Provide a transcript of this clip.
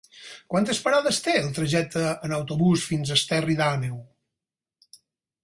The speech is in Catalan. Quantes parades té el trajecte en autobús fins a Esterri d'Àneu?